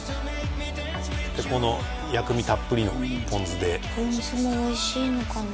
この薬味たっぷりのポン酢でポン酢もおいしいのかな？